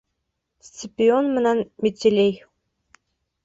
Сципион менән Метелий!